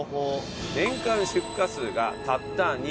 年間出荷数がたった２００頭。